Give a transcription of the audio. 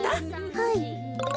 はい。